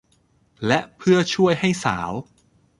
และเพื่อช่วยให้สาว